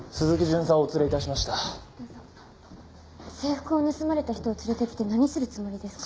制服を盗まれた人を連れてきて何するつもりですか？